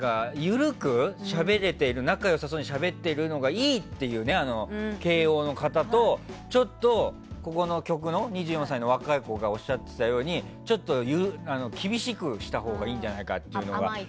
緩く仲良さそうにしゃべれているのがいいっていう慶應の方とここの局の２４歳の方がおっしゃっていたようにちょっと厳しくしたほうがいいんじゃないかというのが。